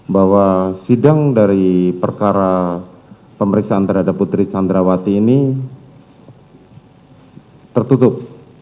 bahwa sidang dari perkara pemeriksaan terhadap putri candrawati ini tertutup